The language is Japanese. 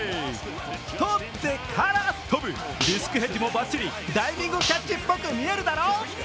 とってから飛ぶ、リスクヘッジもばっちり、ダイビングキャッチっぽく見えるだろ？